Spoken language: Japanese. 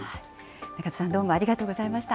中田さん、どうもありがとうございました。